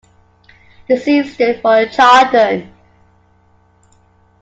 The C stood for Chardon.